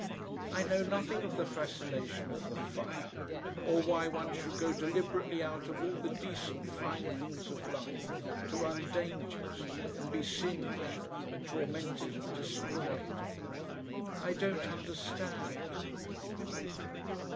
I know nothing of the fascination of the fire, or why one should go deliberately out of all the decent fine things of life to run dangers and be singed and tormented and destroyed. I don't understand...."